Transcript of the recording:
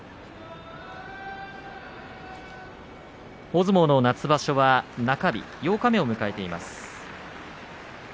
大相撲の夏場所は中日、八日目を迎えています。